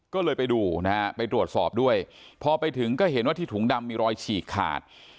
ก็เลยไปดูนะฮะไปตรวจสอบด้วยพอไปถึงก็เห็นว่าที่ถุงดำมีรอยฉีกขาด